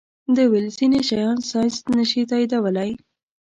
ده ویل ځینې شیان ساینس نه شي تائیدولی.